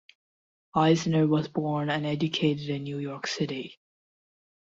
Eisner was born and educated in New York City.